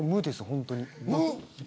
本当に。